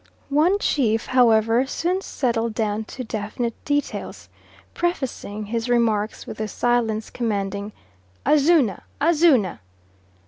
One chief, however, soon settled down to definite details, prefacing his remarks with the silence commanding "Azuna! Azuna!"